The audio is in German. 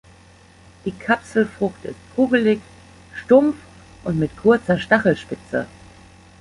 Die Kapselfrucht ist kugelig, stumpf und mit kurzer Stachelspitze.